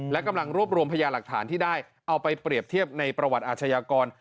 และกำลังรวบรวมพยาหลักฐานที่ได้เอาไปเปรียบเทียบในประวัติอาชญากร